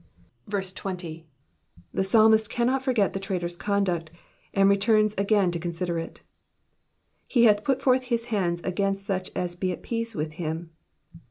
20. The psalmist cannot forget the traitor^s conduct, and returns again to consider it. *'!/<? ?iath put forth his hands against such as he at peace with him.